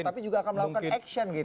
tapi juga akan melakukan action gitu